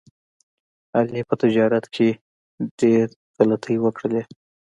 علي په تجارت کې ډېر غلطۍ وکړلې.